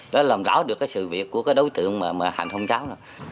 đã làm rõ được cái sự việc của cái đối tượng mà hành hôn cháu rồi